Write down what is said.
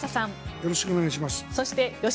よろしくお願いします。